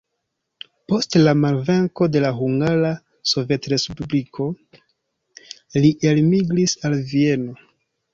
Post la malvenko de la Hungara Sovetrespubliko, li elmigris al Vieno.